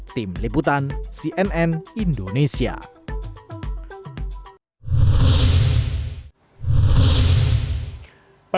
tim liputan cnn indonesia